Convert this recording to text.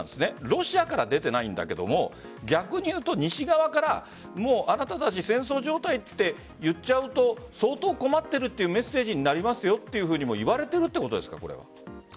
ロシアから出ていないんだけども逆にいうと西側からあなたたち戦争状態って言っちゃうと相当困っているというメッセージになりますよというふうにそうですね。